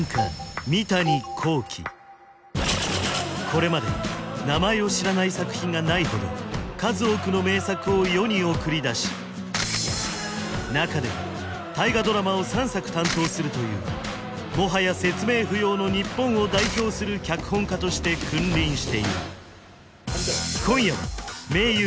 これまで名前を知らない作品がないほど数多くの名作を世に送り出し中でも大河ドラマを３作担当するというもはや説明不要の日本を代表する脚本家として君臨している今夜は名優